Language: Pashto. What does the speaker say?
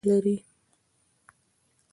هر غږ یو تاثیر لري.